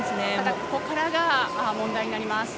ここからが問題になります。